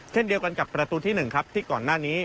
เช่นเดียวกันกับประตูที่๑ครับที่ก่อนหน้านี้